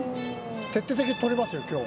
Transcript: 徹底的にとりますよ今日は。